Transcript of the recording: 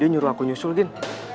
dia nyuruh aku nyusul gin